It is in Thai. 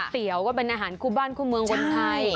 เตี๋ยวก็เป็นอาหารคู่บ้านคู่เมืองคนไทย